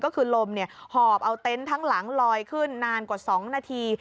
ก็คือลมหอบเอาเต็นต์ทั้งหลังลอยขึ้นนานกว่า๒นาที